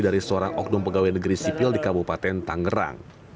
dari seorang oknum pegawai negeri sipil di kabupaten tangerang